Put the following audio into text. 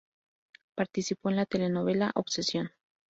Participó en la telenovela "Obsesión".